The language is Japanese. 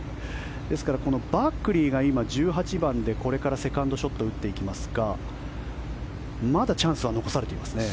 ですからバックリーが今、１８番でこれからセカンドショットを打っていきますがまだチャンスは残されていますよね。